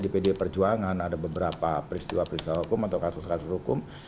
di pd perjuangan ada beberapa peristiwa peristiwa hukum atau kasus kasus hukum